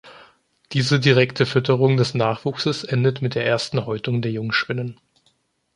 Diese direkte Fütterung des Nachwuchses endet mit der ersten Häutung der Jungspinnen.